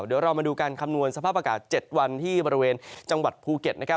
เดี๋ยวเรามาดูการคำนวณสภาพอากาศ๗วันที่บริเวณจังหวัดภูเก็ตนะครับ